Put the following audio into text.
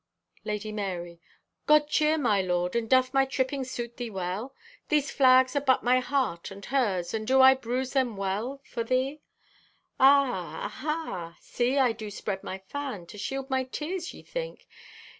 (Lady Marye) "God cheer, my lord, and doth my tripping suit thee well? These flags are but my heart and hers, and do I bruise them well for thee? Ah, aha! See, I do spread my fan. To shield my tears, ye think?